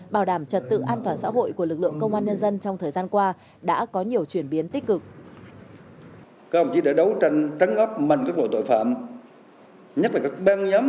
bảo đảm trật tự an toàn xã hội của lực lượng công an nhân dân